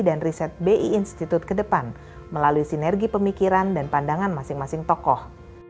dan riset bi institute ke depan melalui sinergi pemikiran dan pandangan masing masing tokoh